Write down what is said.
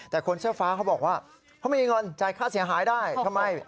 แต่คนเสื้อฟ้าเขาบอกว่าเขาไม่มีเงินจ่ายค่าเสียหายได้ทำไม